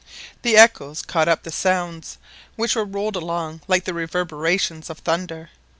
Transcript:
The echoes caught up the sounds, which were rolled along like the reverberations of thunder.